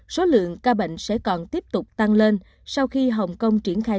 số lượng ca bệnh sẽ còn tiếp tục tăng lên sau khi hồng kông triển khai